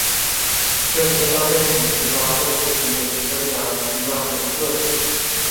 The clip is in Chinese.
这些单倍体细胞会进行有丝分裂而成长为个体。